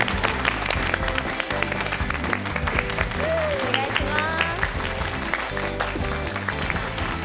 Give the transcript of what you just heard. お願いします。